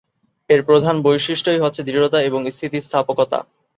এর প্রধান বৈশিষ্ট্যই হচ্ছে দৃঢ়তা এবং স্থিতিস্থাপকতা।